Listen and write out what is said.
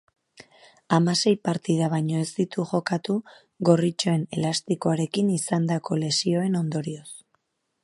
Hamasei partida baino ez ditu jokatu gorritxoen elastikoaren izandako lesioen ondorioz.